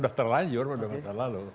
sudah terlanjur rumah masa lalu